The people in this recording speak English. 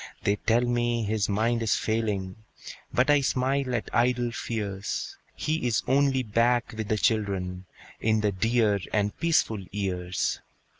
They tell me his mind is failing, But I smile at idle fears; He is only back with the children, In the dear and peaceful years.